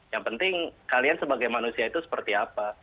yang penting kalian sebagai manusia itu seperti apa